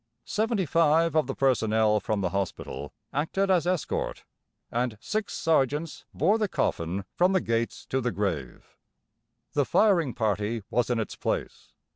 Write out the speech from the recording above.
Seventy five of the personnel from the Hospital acted as escort, and six Sergeants bore the coffin from the gates to the grave. The firing party was in its place.